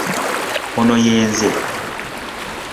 Ono ye nze.